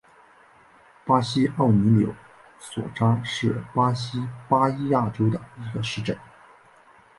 马西奥尼柳索扎是巴西巴伊亚州的一个市镇。